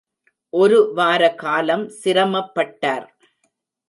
ஒரு வார காலம் சிரமப் பட்டார்.